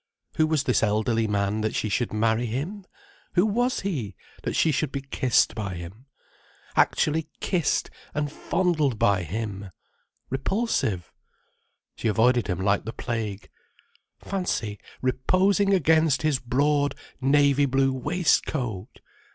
Who was this elderly man, that she should marry him? Who was he, that she should be kissed by him. Actually kissed and fondled by him! Repulsive. She avoided him like the plague. Fancy reposing against his broad, navy blue waistcoat!